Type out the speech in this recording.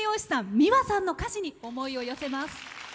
ｍｉｗａさんの歌詞に思いを寄せます。